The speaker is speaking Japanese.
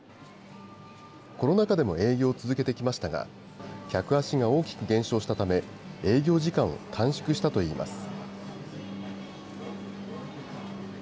コロナ禍でも営業を続けてきましたが、客足が大きく減少したため、営業時間を短縮したといいます。